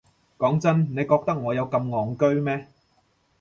講真，你覺得我有咁戇居咩？